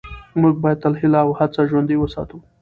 موږ باید تل هیله او هڅه ژوندۍ وساتو